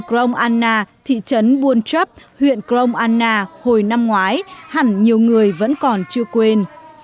crong anna thị trấn buôn chấp huyện crong anna hồi năm ngoái hẳn nhiều người vẫn còn chưa quên